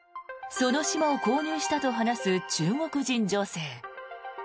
その島を購入したと話す中国人女性。